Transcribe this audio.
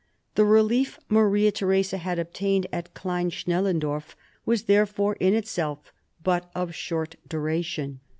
The relief Maria Theresa had obtained at Klein Schnellendorf was there fore in itself but of short duration.